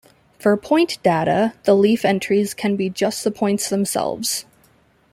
For point data, the leaf entries can be just the points themselves.